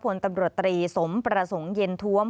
ผลตำรวจตรีสมประสงค์เย็นท้วม